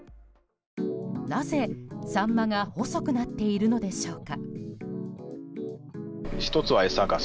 なぜ、サンマが細くなっているのでしょうか。